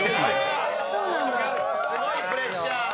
すごいプレッシャー！